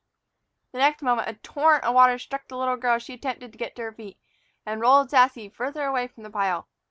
The next moment, a torrent of water struck the little girl as she attempted to get to her feet, and rolled Sassy farther away from the pile.